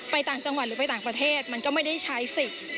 ต่างจังหวัดหรือไปต่างประเทศมันก็ไม่ได้ใช้สิทธิ์